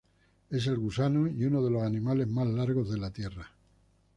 Es el gusano y uno de los animales más largos de la Tierra.